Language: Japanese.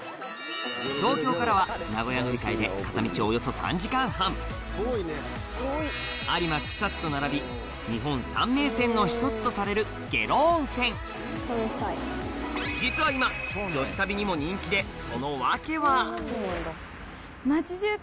東京からは名古屋乗り換えで片道およそ３時間半有馬草津と並び日本三名泉の１つとされる下呂温泉実は今女子旅にも人気でその訳は？